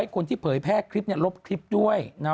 คนที่เผยแพร่คลิปลบคลิปด้วย